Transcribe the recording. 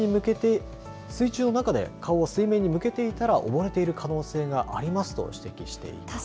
プールでは水中で顔を水面に向けていたらおぼれている可能性がありますと指摘しています。